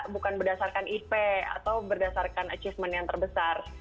bukan berdasarkan ip atau berdasarkan achievement yang terbesar